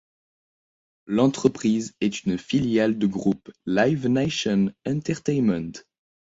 L'entreprise est une filiale du groupe Live Nation Entertainment.